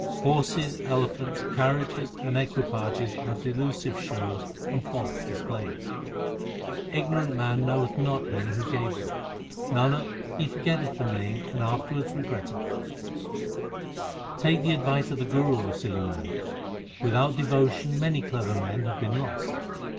Horses, elephants, carriages, and equipages, Are delusive shows and false displays ; Ignorant man knoweth not Him who gave them ; Nanak, he forgetteth the Name and afterwards regretteth. 256 THE SIKH RELIGION Take the advice of the Guru, O silly man ; Without devotion many clever men have been lost.